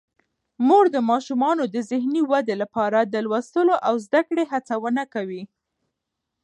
مور د ماشومانو د ذهني ودې لپاره د لوستلو او زده کړې هڅونه کوي.